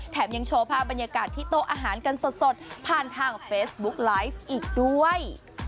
ยังโชว์ภาพบรรยากาศที่โต๊ะอาหารกันสดผ่านทางเฟซบุ๊กไลฟ์อีกด้วย